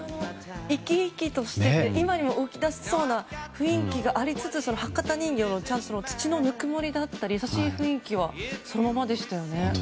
生き生きとしてて今にも動き出しそうな雰囲気がありつつ、博多人形の土のぬくもりだったり優しい雰囲気はそのままでしたね。